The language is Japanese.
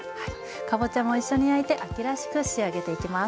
かぼちゃも一緒に焼いて秋らしく仕上げていきます。